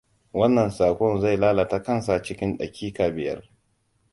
Wannan sakon zai lalata kansa cikin dakika biyar.